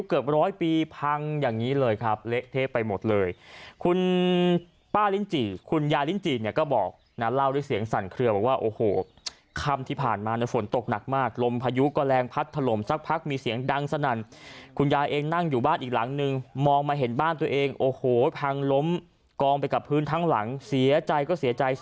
เกือบร้อยปีพังอย่างนี้เลยครับเละเทะไปหมดเลยคุณป้าลิ้นจิคุณยายลิ้นจิเนี่ยก็บอกนะเล่าด้วยเสียงสั่นเคลือบอกว่าโอ้โหค่ำที่ผ่านมาฝนตกหนักมากลมพายุก็แรงพัดถล่มสักพักมีเสียงดังสนั่นคุณยายเองนั่งอยู่บ้านอีกหลังนึงมองมาเห็นบ้านตัวเองโอ้โหพังล้มกองไปกับพื้นทั้งหลังเสียใจก็เสียใจส